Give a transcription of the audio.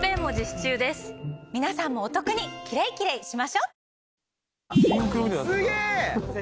皆さんもお得にキレイキレイしましょう！